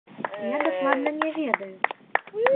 Я дакладна не ведаю.